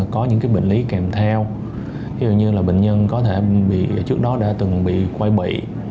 có những bệnh lý kèm theo ví dụ như là bệnh nhân có thể trước đó đã từng bị quay bị